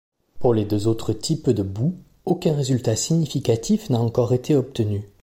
Pour les deux autres types de boues, aucun résultat significatif n'a encore été obtenu.